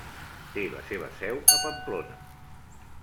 Té la seva seu a Pamplona.